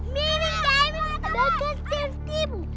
mereka bakal tertipu